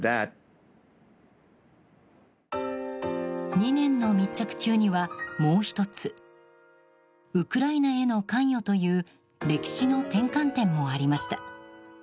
２年の密着中にはもう１つウクライナへの関与という歴史の転換点もありました。